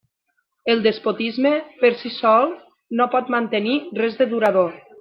El despotisme, per si sol, no pot mantenir res de durador.